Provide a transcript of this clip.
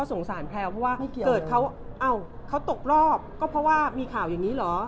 สงสารแพลวเพราะว่าเกิดเขาเขาตกรอบก็เพราะว่ามีข่าวอย่างนี้เหรอ